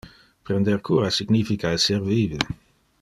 Prender cura significa esser vive.